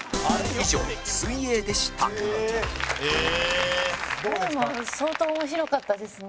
以上、水泳でしたどれも、相当面白かったですね。